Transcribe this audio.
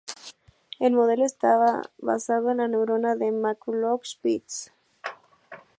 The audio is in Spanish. El modelo está basado en la Neurona de McCulloch-Pitts.